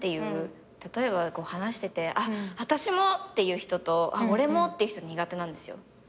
例えば話してて「あっ私も！」っていう人と「あっ俺も！」っていう人苦手なんですよ。